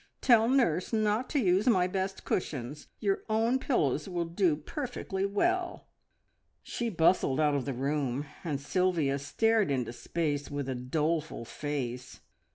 Tell nurse not to use my best cushions; your own pillows will do perfectly well." She bustled out of the room, and Sylvia stared into space with a doleful face.